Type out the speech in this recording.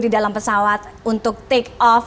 di dalam pesawat untuk take off